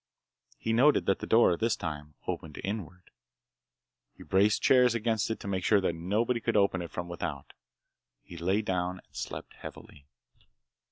He noted that the door, this time, opened inward. He braced chairs against it to make sure that nobody could open it from without. He lay down and slept heavily.